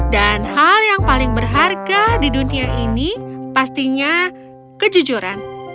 dan hal yang paling berharga di dunia ini pastinya kejujuran